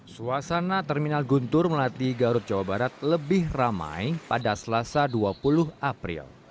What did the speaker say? suasana terminal guntur melati garut jawa barat lebih ramai pada selasa dua puluh april